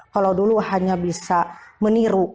kalau dulu hanya bisa meniru